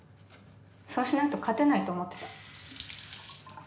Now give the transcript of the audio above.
そうしないと勝てないと思ってた。